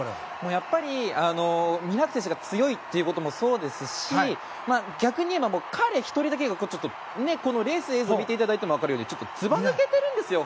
やっぱり、ミラーク選手が強いってこともそうですし逆にいえば、彼１人だけがレース映像を見ていただいても分かるようにちょっとずば抜けているんですよ。